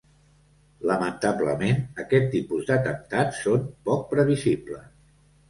Lamentablement aquest tipus d’atemptats són poc previsibles.